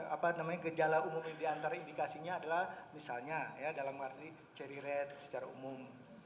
apa namanya gejala umum ini diantara indikasinya adalah misalnya ya dalam arti cherry red secara umum